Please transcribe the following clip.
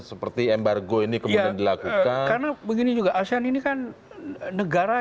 seperti embargo ini kemudian dilakukan karena begini juga asean ini kan negara